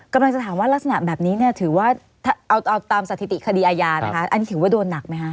กำลังจะถามว่ารักษณะแบบนี้เนี่ยถือว่าเอาตามสถิติคดีอาญานะคะอันนี้ถือว่าโดนหนักไหมคะ